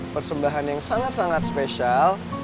persembahan yang sangat sangat spesial